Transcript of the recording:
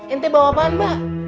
ini bawa apaan mbak